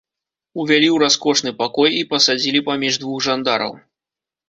Увялі ў раскошны пакой і пасадзілі паміж двух жандараў.